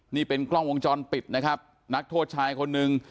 นี่เป็นกล้องวงจรปิดนะครับนักโทษชายคนหนึ่ง